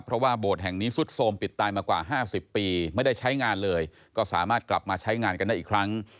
เพราะว่าโบสถ์แห่งนี้ซุดโทรมปิดตายมากว่า๕๐ปีไม่ได้ใช้งานเลยก็สามารถกลับมาใช้งานกันได้อีกครั้ง